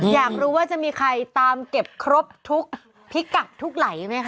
อยากรู้ว่าจะมีใครตามเก็บครบทุกพิกัดทุกไหลไหมคะ